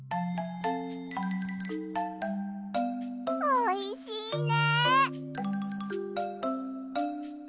おいしいね！